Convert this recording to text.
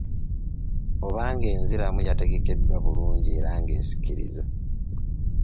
Oba ng’enzirwamu yategekeddwa bulungi era ng’esikiriza